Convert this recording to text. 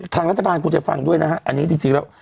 ทางรัฐบาลควรจะฟังด้วยนะฮะอันนี้จริงแล้ว